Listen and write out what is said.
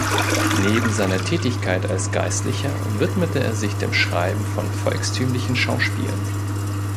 Neben seiner Tätigkeit als Geistlicher widmete er sich dem Schreiben von volkstümlichen Schauspielen.